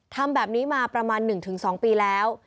ทำแบบนี้มาประมาณ๑๒ปีแล้ว